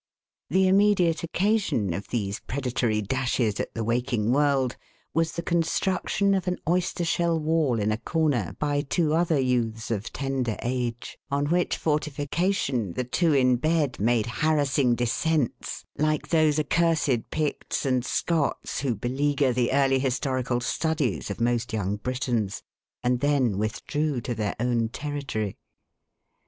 The immediate occasion of these predatory dashes at the waking world, was the construction of an oyster shell wall in a corner, by two other youths of tender age ; on which fortification the two in bed made harassing descents (like those accursed Picts and Scots who beleaguer the early historical studies of most young Britons), and then withdrew to their own territory.